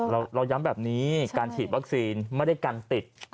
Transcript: เราย้ำแบบนี้การฉีดวัคซีนไม่ได้กันติด